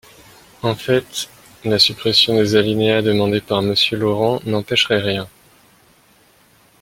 En fait, la suppression des alinéas demandée par Monsieur Laurent n’empêcherait rien.